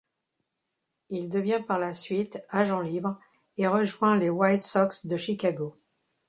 Il devient par la suite agent libre et rejoint les White Sox de Chicago.